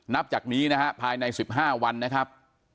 นับจากนี้นะฮะภายใน๑๕วันนะครับ